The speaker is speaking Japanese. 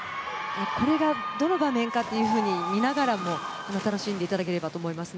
これがどの場面かっていうふうに見ながらも楽しんでいただければと思います。